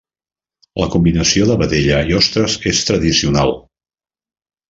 La combinació de vedella i ostres és tradicional.